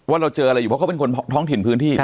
เราเจออะไรอยู่เพราะเขาเป็นคนท้องถิ่นพื้นที่